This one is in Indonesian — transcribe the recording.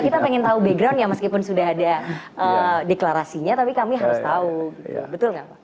kita pengen tahu background ya meskipun sudah ada deklarasinya tapi kami harus tahu betul nggak pak